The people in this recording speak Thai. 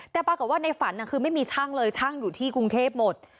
แต่ปรากฏว่าในฝันคือไม่มีช่างเลยช่างอยู่ที่กรุงเทพหมด